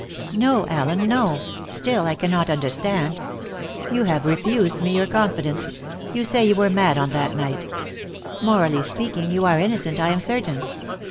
"No, Allen, no; still, I cannot understand. You have refused me your confidence; you say you were mad on that night. Morally speaking, you are innocent, I am certain.